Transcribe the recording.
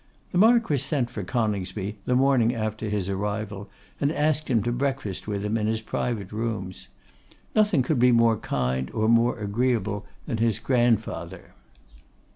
The Marquess sent for Coningsby the morning after his arrival and asked him to breakfast with him in his private rooms. Nothing could be more kind or more agreeable than his grandfather.